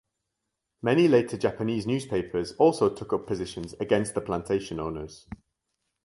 Many later Japanese newspapers also took up positions against the plantation owners.